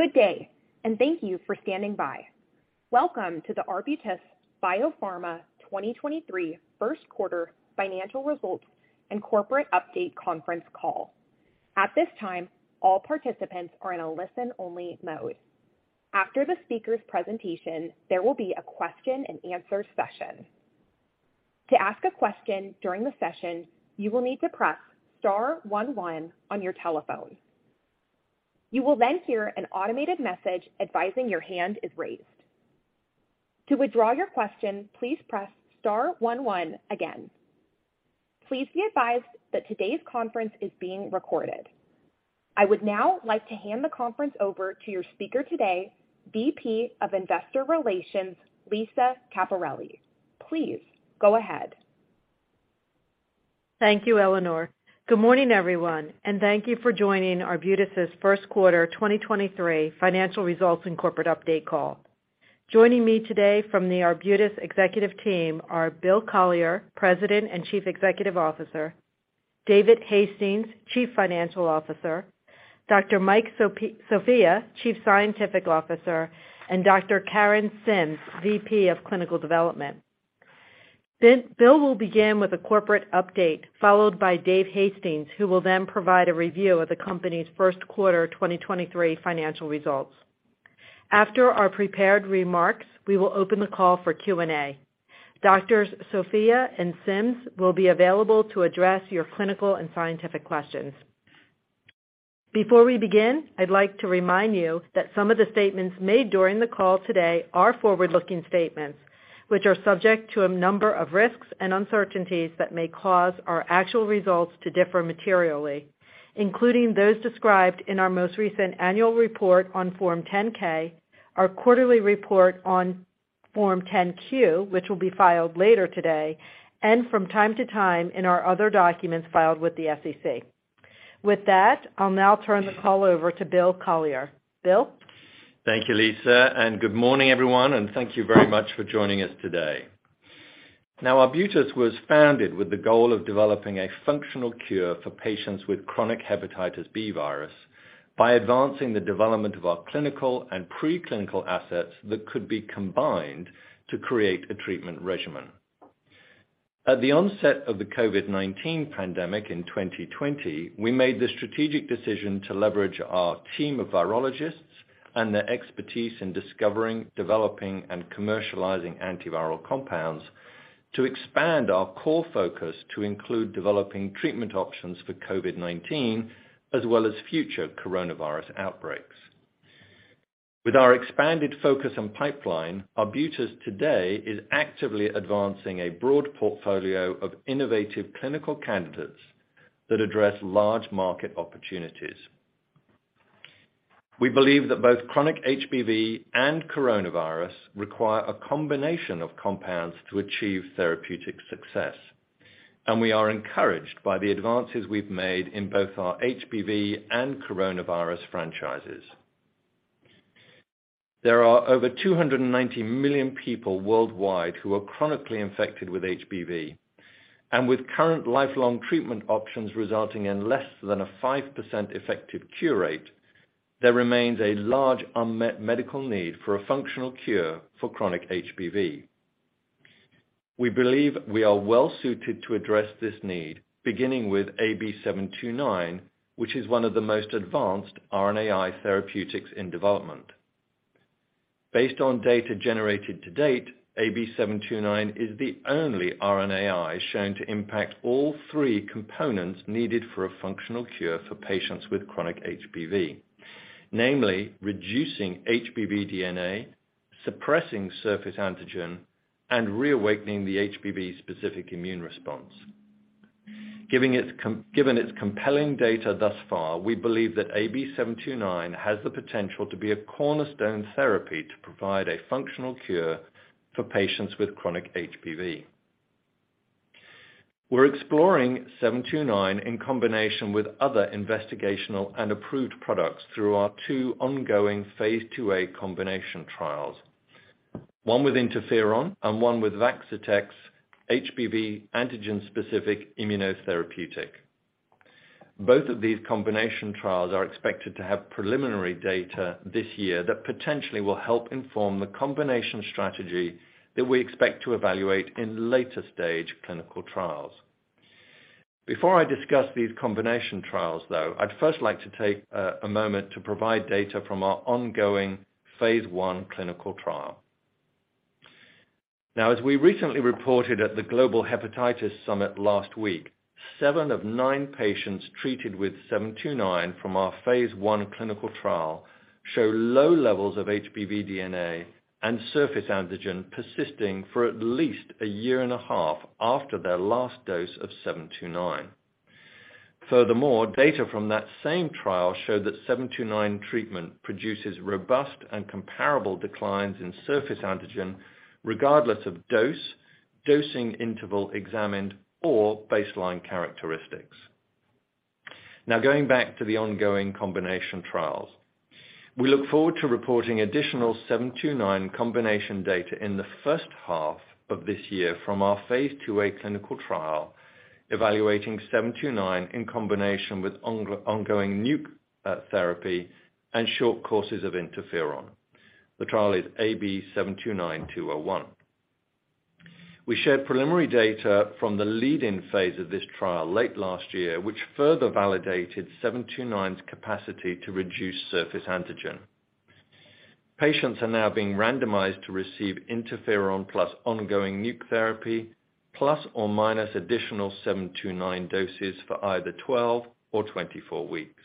Good day, and thank you for standing by. Welcome to the Arbutus Biopharma 2023 Q1 financial results and corporate update Conference Call. At this time, all participants are in a listen-only mode. After the speaker's presentation, there will be a question-and-answer session. To ask a question during the session, you will need to press star 11 on your telephone. You will then hear an automated message advising your hand is raised. To withdraw your question, please press star 11 again. Please be advised that today's conference is being recorded. I would now like to hand the conference over to your speaker today, VP of Investor Relations, Lisa Capparelli. Please go ahead. Thank you, Eleanor. Good morning, everyone, and thank you for joining Arbutus' Q1 2023 financial results and corporate update call. Joining me today from the Arbutus executive team are Bill Collier, President and Chief Executive Officer, David Hastings, Chief Financial Officer, Dr. Mike Sofia, Chief Scientific Officer, and Dr. Karen Sims, VP of Clinical Development. Bill will begin with a corporate update, followed by Dave Hastings, who will then provide a review of the company's Q1 2023 financial results. After our prepared remarks, we will open the call for Q&A. Doctors Sofia and Sims will be available to address your clinical and scientific questions. Before we begin, I'd like to remind you that some of the statements made during the call today are forward-looking statements, which are subject to a number of risks and uncertainties that may cause our actual results to differ materially, including those described in our most recent annual report on Form 10-K, our quarterly report on Form 10-Q, which will be filed later today, and from time to time in our other documents filed with the SEC. With that, I'll now turn the call over to Bill Collier. Bill? Thank you, Lisa. Good morning everyone. Thank you very much for joining us today. Arbutus was founded with the goal of developing a functional cure for patients with chronic hepatitis B virus by advancing the development of our clinical and Preclinical assets that could be combined to create a treatment regimen. At the onset of the COVID-19 pandemic in 2020, we made the strategic decision to leverage our team of virologists and their expertise in discovering, developing, and commercializing antiviral compounds to expand our core focus to include developing treatment options for COVID-19 as well as future coronavirus outbreaks. With our expanded focus and pipeline, Arbutus today is actively advancing a broad portfolio of innovative clinical candidates that address large market opportunities. We believe that both chronic HBV and coronavirus require a combination of compounds to achieve therapeutic success. We are encouraged by the advances we've made in both our HBV and coronavirus franchises. There are over 290 million people worldwide who are chronically infected with HBV. With current lifelong treatment options resulting in less than a 5% effective cure rate, there remains a large unmet medical need for a functional cure for chronic HBV. We believe we are well-suited to address this need, beginning with AB-729, which is one of the most advanced RNAi therapeutics in development. Based on data generated to date, AB-729 is the only RNAi shown to impact all three components needed for a functional cure for patients with chronic HBV. Namely, reducing HBV DNA, suppressing surface antigen, and reawakening the HBV specific immune response. Given its compelling data thus far, we believe that AB-729 has the potential to be a cornerstone therapy to provide a functional cure for patients with chronic HBV. We're exploring 729 in combination with other investigational and approved products through our 2 ongoing phase 2a combination trials. 1 with interferon and 1 with Vaccitech's HBV antigen-specific immunotherapeutic. Both of these combination trials are expected to have preliminary data this year that potentially will help inform the combination strategy that we expect to evaluate in late-stage clinical trials. Before I discuss these combination trials, though, I'd first like to take a moment to provide data from our ongoing phase I clinical trial. As we recently reported at the Global Hepatitis Summit last week, 7 of 9 patients treated with AB-729 from our phase I clinical trial show low levels of HBV DNA and surface antigen persisting for at least 1.5 years after their last dose of AB-729. Furthermore, data from that same trial show that AB-729 treatment produces robust and comparable declines in surface antigen regardless of dose, dosing interval examined or baseline characteristics. Going back to the ongoing combination trials. We look forward to reporting additional AB-729 combination data in the 1st half of this year from our phase 2a clinical trial evaluating AB-729 in combination with ongoing nuke therapy and short courses of interferon. The trial is AB-729-201. We shared preliminary data from the lead-in phase of this trial late last year, which further validated 729's capacity to reduce surface antigen. Patients are now being randomized to receive interferon plus ongoing NUC therapy plus or minus additional 729 doses for either 12 or 24 weeks.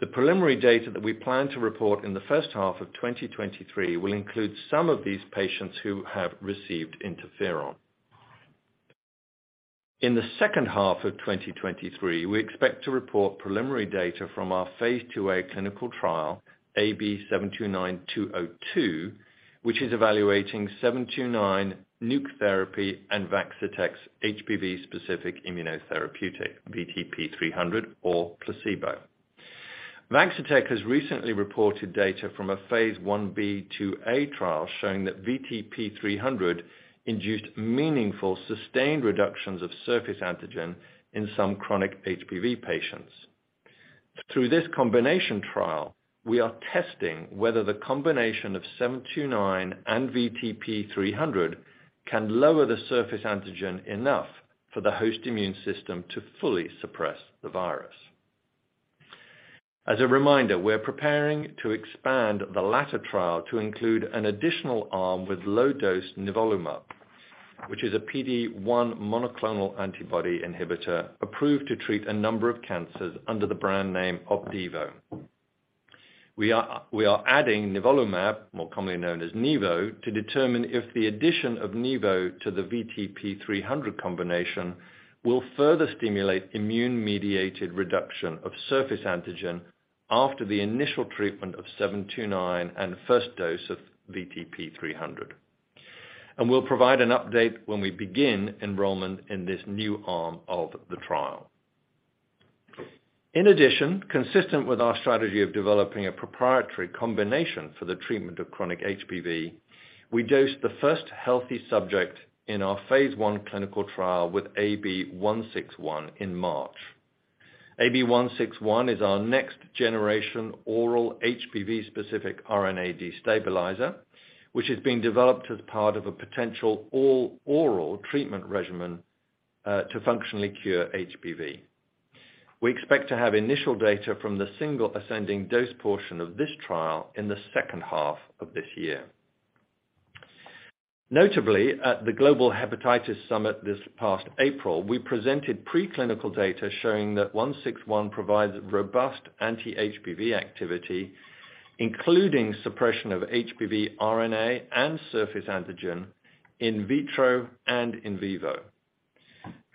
The preliminary data that we plan to report in the first half of 2023 will include some of these patients who have received interferon. In the second half of 2023, we expect to report preliminary data from our Phase 2a clinical trial, AB-729-202, which is evaluating 729 NUC therapy and Vaccitech's HBV specific immunotherapeutic VTP-300 or placebo. Vaccitech has recently reported data from a Phase 1b/2a trial showing that VTP-300 induced meaningful sustained reductions of surface antigen in some chronic HBV patients. Through this combination trial, we are testing whether the combination of AB-729 and VTP-300 can lower the surface antigen enough for the host immune system to fully suppress the virus. As a reminder, we're preparing to expand the latter trial to include an additional arm with low-dose nivolumab, which is a PD-1 monoclonal antibody inhibitor approved to treat a number of cancers under the brand name Opdivo. We are adding nivolumab, more commonly known as nivo, to determine if the addition of nivo to the VTP-300 combination will further stimulate immune-mediated reduction of surface antigen after the initial treatment of AB-729 and first dose of VTP-300. We'll provide an update when we begin enrollment in this new arm of the trial. In addition, consistent with our strategy of developing a proprietary combination for the treatment of chronic HBV, we dosed the first healthy subject in our phase I clinical trial with AB-161 in March. AB-161 is our nex-generation oral HBV-specific RNA destabilizer, which is being developed as part of a potential all oral treatment regimen to functionally cure HBV. We expect to have initial data from the single ascending dose portion of this trial in the second half of this year. Notably, at the Global Hepatitis Summit this past April, we presented preclinical data showing that AB-161 provides robust anti-HBV activity, including suppressin of HBV RNA and surface antigen in vitro and in vivo.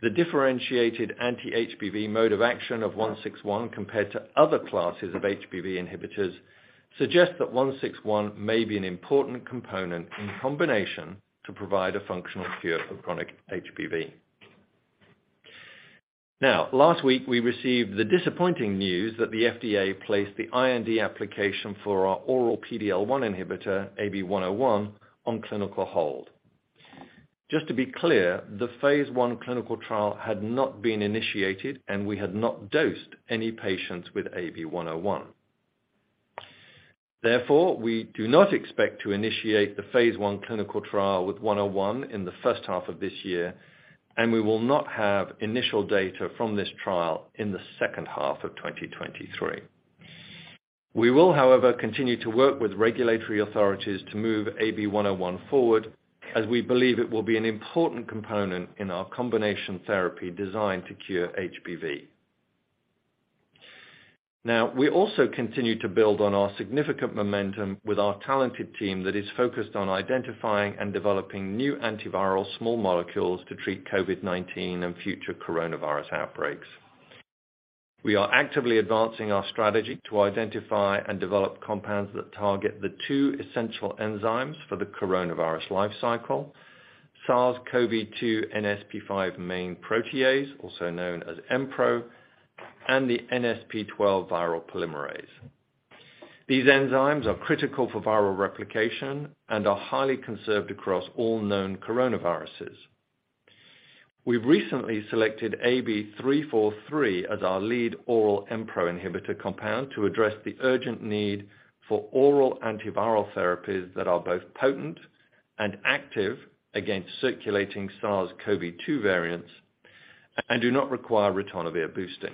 The differentiated anti-HBV mode of action of AB-161 compared to other classes of HBV inhibitors suggest that AB-161 may be an important component in combination to provide a functional cure for chronic HBV. Last week, we received the disappointing news that the FDA placed the IND application for our oral PD-L1 inhibitor, AB-101, on clinical hold. Just to be clear, the phase I clinical trial had not been initiated, and we had not dosed any patients with AB-101. We do not expect to initiate the phase I clinical trial with 101 in the first half of this year, and we will not have initial data from this trial in the second half of 2023. We will, however, continue to work with regulatory authorities to move AB-101 forward, as we believe it will be an important component in our combination therapy designed to cure HBV. We also continue to build on our significant momentum with our talented team that is focused on identifying and developing new antiviral small molecules to treat COVID-19 and future coronavirus outbreaks. We are actively advancing our strategy to identify and develop compounds that target the two essential enzymes for the coronavirus life cycle, SARS-CoV-2 NSP5 main protease, also known as Mpro, and the NSP12 viral polymerase. These enzymes are critical for viral replication and are highly conserved across all known coronaviruses. We've recently selected AB-343 as our lead oral Mpro inhibitor compound to address the urgent need for oral antiviral therapies that are both potent and active against circulating SARS-CoV-2 variants and do not require ritonavir boosting.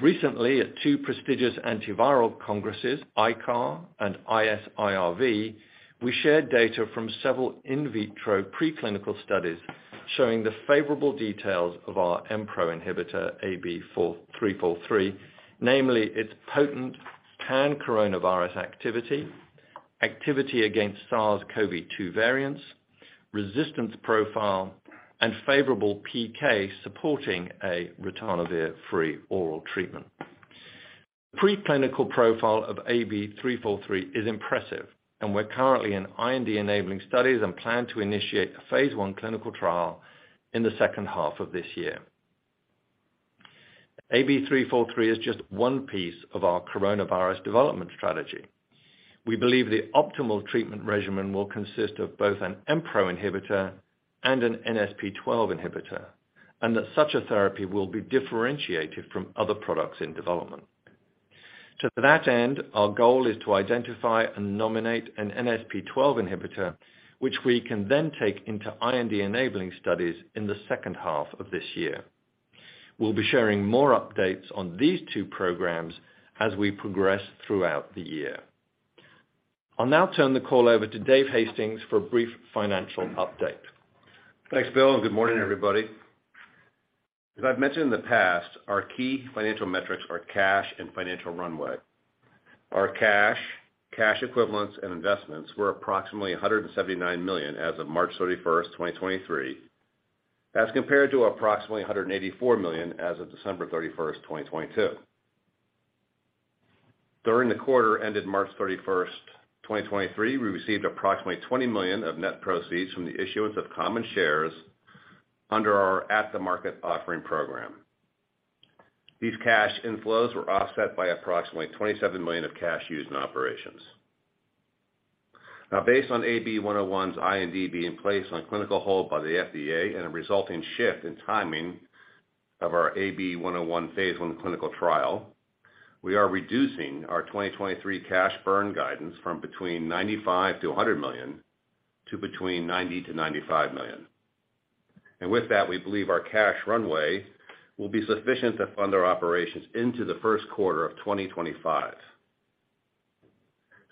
Recently, at two prestigious antiviral congresses, ICAR and ISIRV, we shared data from several in vitro preclinical studies showing the favorable details of our Mpro inhibitor AB-343, namely its potent pan-coronavirus activity against SARS-CoV-2 variants, resistance profile, and favorable PK supporting a ritonavir-free oral treatment. Preclinical profile of AB-343 is impressive, and we're currently in IND-enabling studies and plan to initiate a phase I clinical trial in the second half of this year. AB-343 is just one piece of our coronavirus development strategy. We believe the optimal treatment regimen will consist of both an Mpro inhibitor and an NSP12 inhibitor, and that such a therapy will be differentiated from other products in development. To that end, our goal is to identify and nominate an NSP12 inhibitor, which we can then take into IND-enabling studies in the second half of this year. We'll be sharing more updates on these two programs as we progress throughout the year. I'll now turn the call over to Dave Hastings for a brief financial update. Thanks, Bill. Good morning, everybody. As I've mentioned in the past, our key financial metrics are cash and financial runway. Our cash equivalents, and investments were approximately $179 million as of March 31, 2023, as compared to approximately $184 million as of December 31, 2022. During the quarter ended March 31, 2023, we received approximately $20 million of net proceeds from the issuance of common shares under our At-the-Market Offering program. These cash inflows were offset by approximately $27 million of cash used in operations. Based on AB-101's IND being placed on clinical hold by the FDA and a resulting shift in timing of our AB-101 phase I clinical trial, we are reducing our 2023 cash burn guidance from between $95 million-$100 million to between $90 million-$95 million. With that, we believe our cash runway will be sufficient to fund our operations into the Q1 of 2025.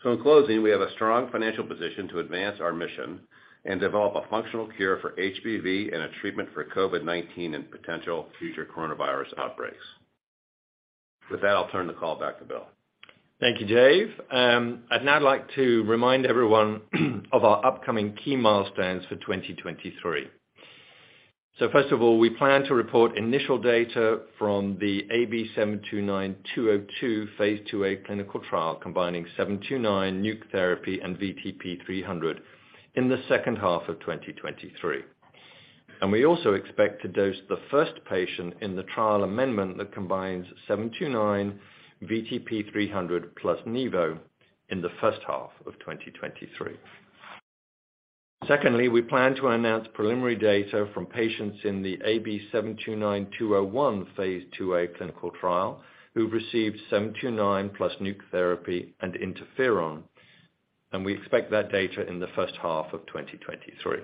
In closing, we have a strong financial position to advance our mission and develop a functional cure for HBV and a treatment for COVID-19 and potential future coronavirus outbreaks. With that, I'll turn the call back to Bill. Thank you, Dave. I'd now like to remind everyone of our upcoming key milestones for 2023. First of all, we plan to report initial data from the AB-729-202 Phase 2a clinical trial, combining 729, nuc therapy, and VTP-300 in the second half of 2023. We also expect to dose the first patient in the trial amendment that combines 729, VTP-300, plus nivo in the first half of 2023. Secondly, we plan to announce preliminary data from patients in the AB-729-201 Phase 2a clinical trial who've received 729 plus nuc therapy and interferon, and we expect that data in the first half of 2023.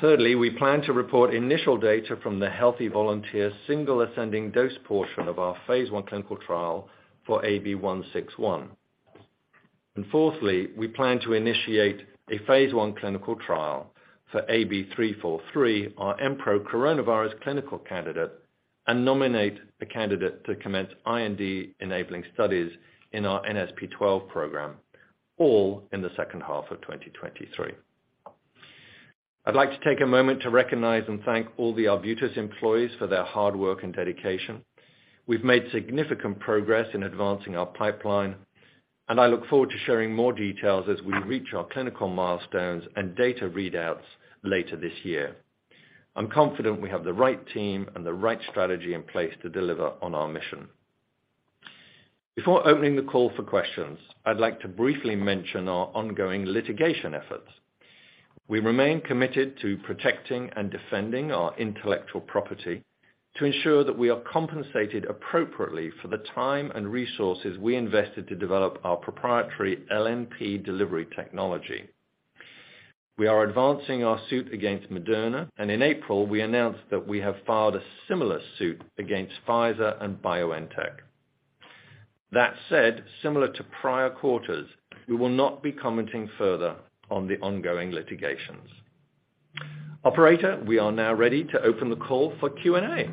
Thirdly, we plan to report initial data from the healthy volunteer single ascending dose portion of our Phase I clinical trial for AB-161. Fourthly, we plan to initiate a Phase I clinical trial for AB-343, our Mpro coronavirus clinical candidate, and nominate a candidate to commence IND-enabling studies in our NSP12 program, all in the second half of 2023. I'd like to take a moment to recognize and thank all the Arbutus employees for their hard work and dedication. We've made significant progress in advancing our pipeline, and I look forward to sharing more details as we reach our clinical milestones and data readouts later this year. I'm confident we have the right team and the right strategy in place to deliver on our mission. Before opening the call for questions, I'd like to briefly mention our ongoing litigation efforts. We remain committed to protecting and defending our intellectual property to ensure that we are compensated appropriately for the time and resources we invested to develop our proprietary LNP delivery technology. We are advancing our suit against Moderna, and in April, we announced that we have filed a similar suit against Pfizer and BioNTech. That said, similar to prior quarters, we will not be commenting further on the ongoing litigations. Operator, we are now ready to open the call for Q&A.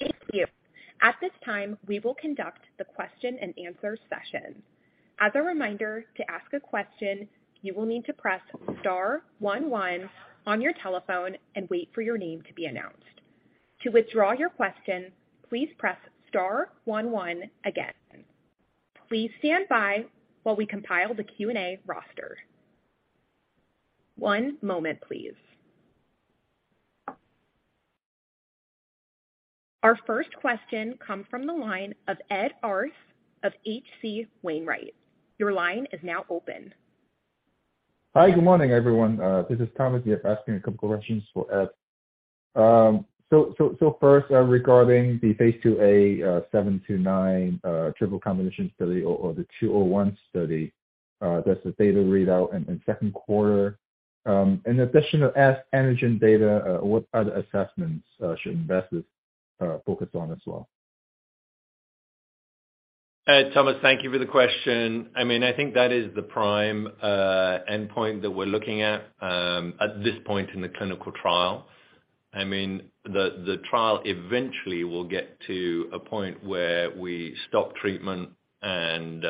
Thank you. At this time, we will conduct the question-and-answer session. As a reminder, to ask a question, you will need to press star one one on your telephone and wait for your name to be announced. To withdraw your question, please press star one one again. Please stand by while we compile the Q&A roster. One moment, please. Our first question come from the line of Ed Arce of H.C. Wainwright. Your line is now open. Hi. Good morning, everyone. This is Thomas. Yeah, asking a couple questions for Ed. First, regarding the phase 2a AB-729 triple combination study or the AB-729-201 study, that's the data readout in Q2. In addition to S-antigen data, what other assessments should investors focus on as well? Thomas, thank you for the question. I mean, I think that is the prime endpoint that we're looking at this point in the clinical trial. I mean, the trial eventually will get to a point where we stop treatment and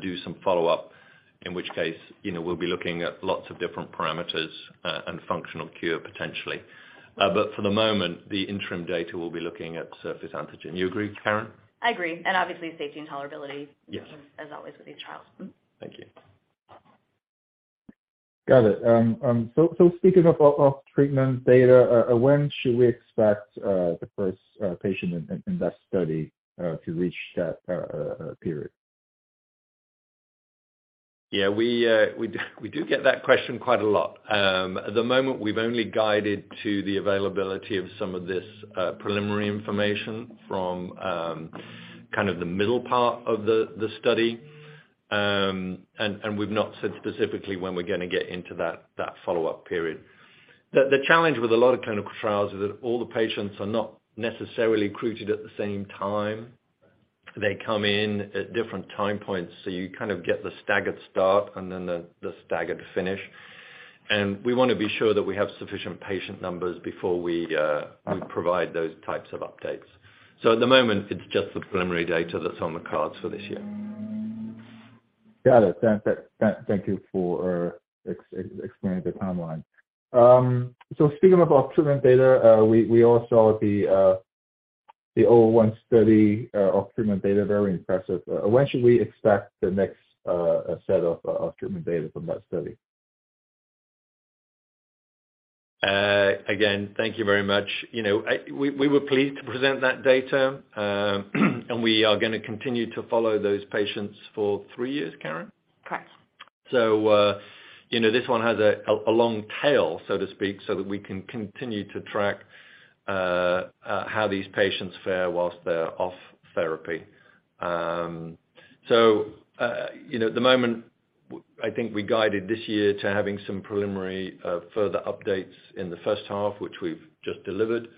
do some follow-up. In which case, you know, we'll be looking at lots of different parameters and functional cure potentially. For the moment, the interim data will be looking at surface antigen. You agree, Karen? I agree. obviously, safety and tolerability- Yes. as always with these trials. Mm-hmm. Thank you. Got it. Speaking of treatment data, when should we expect the first patient in that study to reach that period? Yeah, we do get that question quite a lot. At the moment we've only guided to the availability of some of this preliminary information from kind of the middle part of the study. We've not said specifically when we're gonna get into that follow-up period. The challenge with a lot of clinical trials is that all the patients are not necessarily recruited at the same time. They come in at different time points, so you kind of get the staggered start and then the staggered finish. We wanna be sure that we have sufficient patient numbers before we provide those types of updates. At the moment, it's just the preliminary data that's on the cards for this year. Got it. Thank you for explaining the timeline. Speaking about treatment data, we all saw the 201 study of treatment data, very impressive. When should we expect the next set of treatment data from that study? Again, thank you very much. You know, We were pleased to present that data, and we are gonna continue to follow those patients for three years, Karen? Correct. You know, this one has a long tail, so to speak, so that we can continue to track how these patients fare whilst they're off therapy. You know, at the moment I think we guided this year to having some preliminary further updates in the first half, which we've just delivered,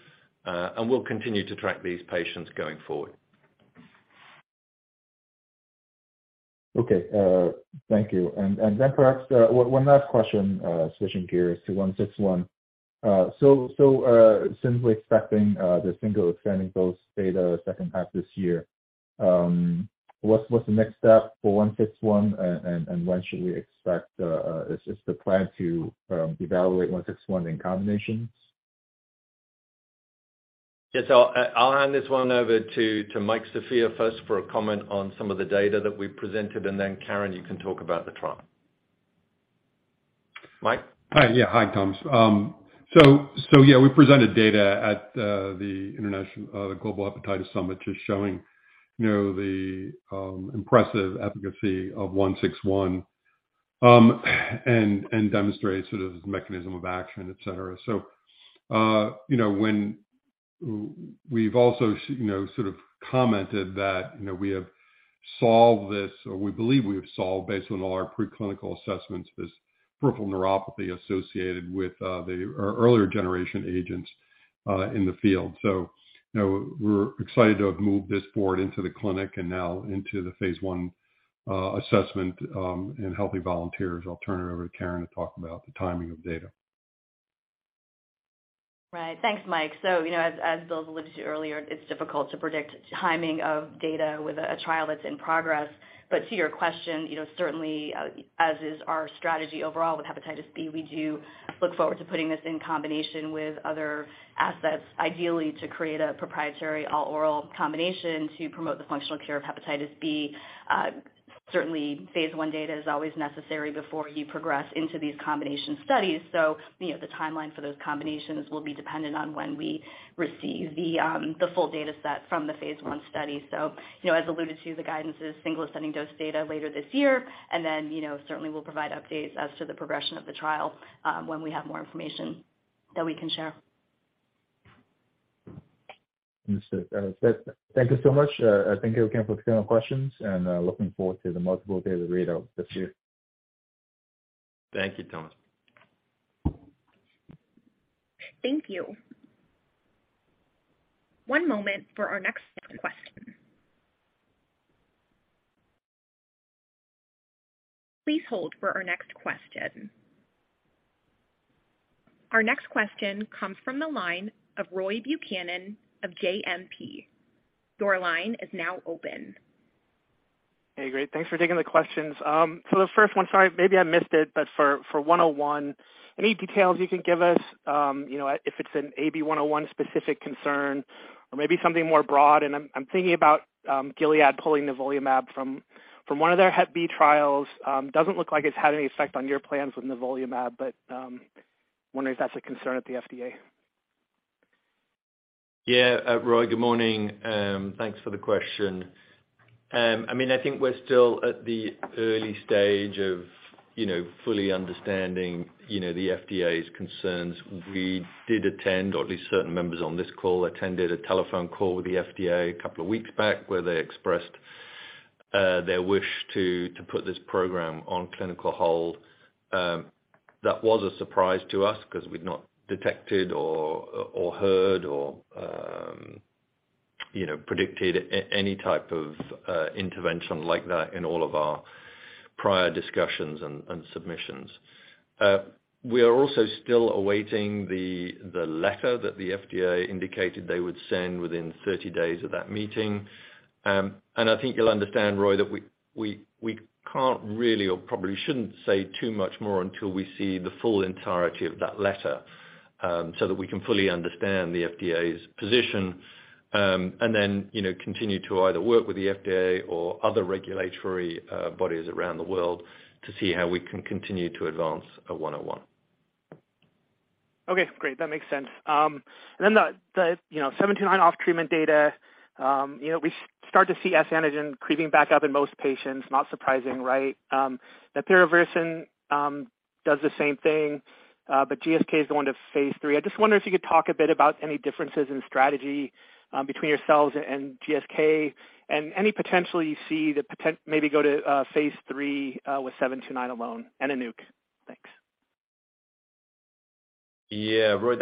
and we'll continue to track these patients going forward. Okay. Thank you. Perhaps, one last question, switching gears to AB-161. Since we're expecting the single ascending dose data second half this year, what's the next step for AB-161? When should we expect, is the plan to evaluate AB-161 in combinations? Yes. I'll hand this one over to Mike Sofia first for a comment on some of the data that we presented, and then Karen, you can talk about the trial. Mike? Hi. Yeah, hi, Thomas. So yeah, we presented data at the Global Hepatitis Summit, just showing, you know, the impressive efficacy of AB-161. Demonstrate sort of mechanism of action, et cetera. You know, when we've also, you know, sort of commented that, you know, we have solved this or we believe we have solved based on all our preclinical assessments, this peripheral neuropathy associated with our earlier generation agents in the field. You know, we're excited to have moved this forward into the clinic and now into the phase I assessment in healthy volunteers. I'll turn it over to Karen Sims to talk about the timing of data. Right. Thanks, Mike. You know, as Bill alluded to earlier, it's difficult to predict timing of data with a trial that's in progress. To your question, you know, certainly, as is our strategy overall with hepatitis B, we do look forward to putting this in combination with other assets, ideally to create a proprietary all-oral combination to promote the functional cure of hepatitis B. Certainly phase I data is always necessary before you progress into these combination studies. You know, the timeline for those combinations will be dependent on when we receive the full data set from the phase I study. You know, as alluded to, the guidance is single ascending dose data later this year, and then, you know, certainly we'll provide updates as to the progression of the trial, when we have more information that we can share. Understood. Thank you so much. I think you can proceed with questions and, looking forward to the multiple data readouts this year. Thank you, Thomas. Thank you. One moment for our next question. Please hold for our next question. Our next question comes from the line of Roy Buchanan of JMP. Your line is now open. Hey, great. Thanks for taking the questions. For the first one, sorry if maybe I missed it, but for 101, any details you can give us, you know, if it's an AB-101 specific concern or maybe something more broad. I'm thinking about Gilead pulling nivolumab from one of their hep B trials. Doesn't look like it's had any effect on your plans with nivolumab, but, wondering if that's a concern at the FDA. Yeah. Roy, good morning. Thanks for the question. I mean, I think we're still at the early stage of, you know, fully understanding, you know, the FDA's concerns. We did attend, or at least certain members on this call attended a telephone call with the FDA a couple of weeks back where they expressed their wish to put this program on clinical hold. That was a surprise to us because we'd not detected or heard or, you know, predicted any type of intervention like that in all of our prior discussions and submissions. We are also still awaiting the letter that the FDA indicated they would send within 30 days of that meeting. I think you'll understand, Roy, that we can't really or probably shouldn't say too much more until we see the full entirety of that letter, so that we can fully understand the FDA's position. You know, continue to either work with the FDA or other regulatory bodies around the world to see how we can continue to advance AB-101. Okay, great. That makes sense. The, you know, 729 off treatment data, you know, we start to see S-antigen creeping back up in most patients. Not surprising, right? The bepirovirsen does the same thing. GSK is the one to phase III. I just wonder if you could talk a bit about any differences in strategy, between yourselves and GSK and any potential you see maybe go to phase III, with 729 alone and NUC. Thanks. Yeah, Roy,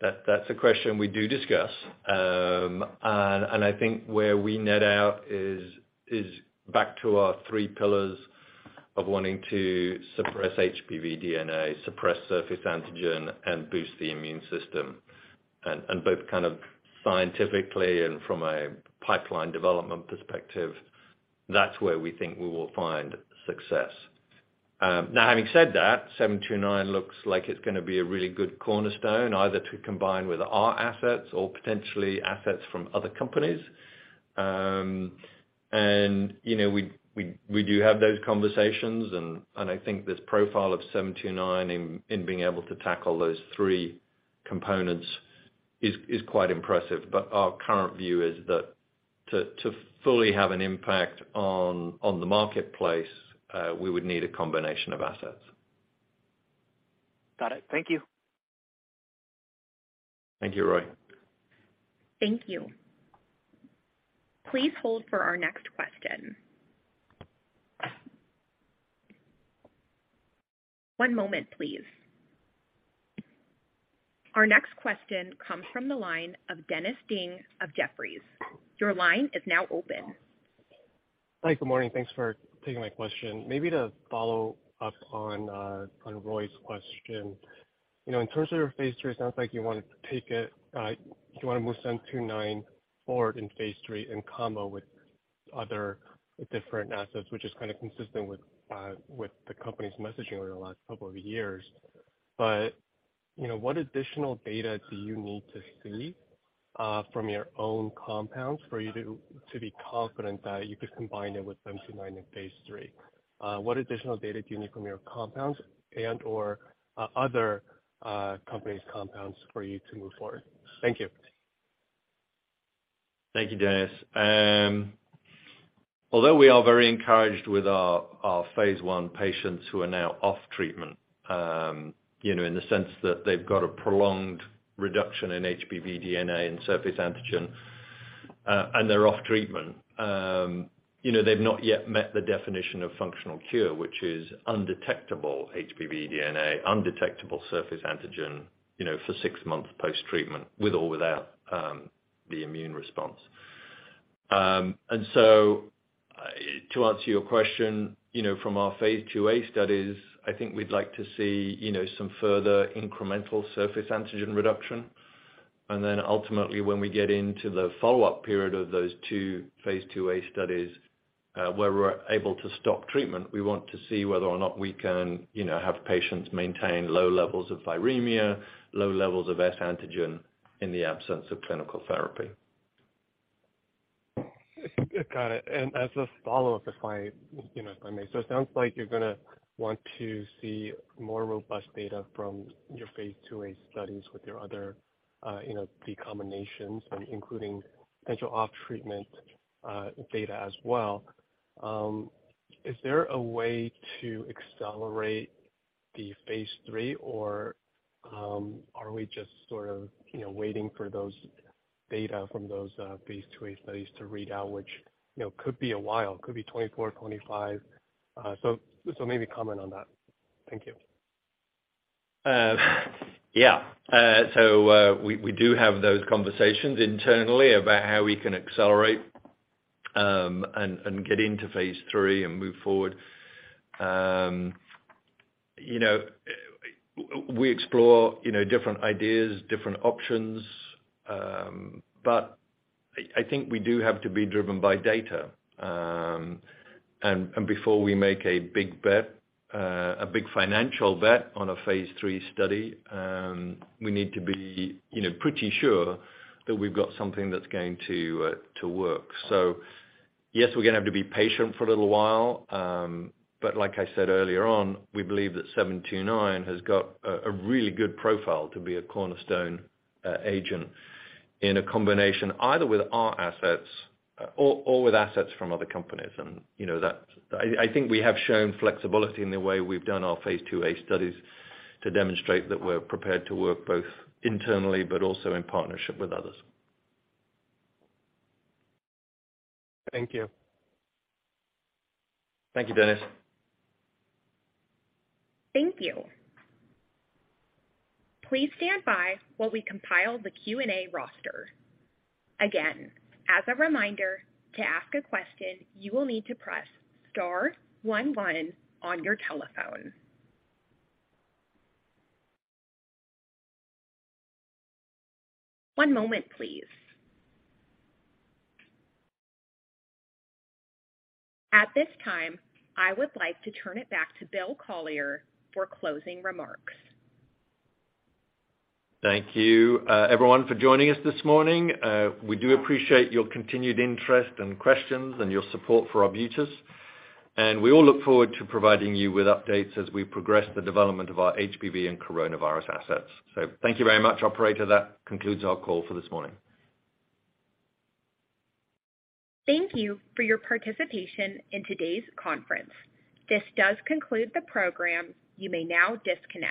that's a question we do discuss. I think where we net out is back to our three pillars of wanting to suppress HBV DNA, suppress surface antigen, and boost the immune system. Both kind of scientifically and from a pipeline development perspective, that's where we think we will find success. Now having said that, 729 looks like it's gonna be a really good cornerstone either to combine with our assets or potentially assets from other companies. You know, we do have those conversations and I think this profile of 729 in being able to tackle those three components is quite impressive. Our current view is that to fully have an impact on the marketplace, we would need a combination of assets. Got it. Thank you. Thank you, Roy. Thank you. Please hold for our next question. One moment, please. Our next question comes from the line of Dennis Ding of Jefferies. Your line is now open. Hi. Good morning. Thanks for taking my question. Maybe to follow up on Roy's question. You know, in terms of your phase three, it sounds like you want to take it. You wanna move seven-two-nine forward in phase three in combo with other different assets, which is kinda consistent with the company's messaging over the last couple of years. You know, what additional data do you need to see from your own compounds for you to be confident that you could combine it with seven-two-nine in phase three? What additional data do you need from your compounds and/or other companies' compounds for you to move forward? Thank you. Thank you, Dennis. Although we are very encouraged with our Phase I patients who are now off treatment, you know, in the sense that they've got a prolonged reduction in HBV DNA and surface antigen, and they're off treatment, you know, they've not yet met the definition of functional cure, which is undetectable HBV DNA, undetectable surface antigen, you know, for six months post-treatment with or without the immune response. To answer your question, you know, from our Phase 2a studies, I think we'd like to see, you know, some further incremental surface antigen reduction. Ultimately, when we get into the follow-up period of those 2 Phase 2a studies, where we're able to stop treatment, we want to see whether or not we can, you know, have patients maintain low levels of viremia, low levels of S-antigen in the absence of clinical therapy. Got it. As a follow-up, if I, you know, if I may. It sounds like you're gonna want to see more robust data from your phase 2a studies with your other, you know, the combinations and including potential off-treatment, data as well. Is there a way to accelerate the phase III, or, are we just sort of, you know, waiting for those data from those phase 2a studies to read out, which, you know, could be a while, could be 2024, 2025? Maybe comment on that. Thank you. Yeah. We do have those conversations internally about how we can accelerate, and get into phase III and move forward. You know, we explore, you know, different ideas, different options, but I think we do have to be driven by data. Before we make a big bet, a big financial bet on a phase III study, we need to be, you know, pretty sure that we've got something that's going to work. Yes, we're gonna have to be patient for a little while, but like I said earlier on, we believe that AB-729 has got a really good profile to be a cornerstone agent in a combination either with our assets or with assets from other companies. You know, that's... I think we have shown flexibility in the way we've done our Phase 2a studies to demonstrate that we're prepared to work both internally but also in partnership with others. Thank you. Thank you, Dennis. Thank you. Please stand by while we compile the Q&A roster. Again, as a reminder, to ask a question, you will need to press star one one on your telephone. One moment, please. At this time, I would like to turn it back to William Collier for closing remarks. Thank you, everyone for joining us this morning. We do appreciate your continued interest and questions and your support for Arbutus. We all look forward to providing you with updates as we progress the development of our HBV and coronavirus assets. Thank you very much. Operator, that concludes our call for this morning. Thank you for your participation in today's conference. This does conclude the program. You may now disconnect.